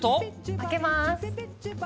開けます。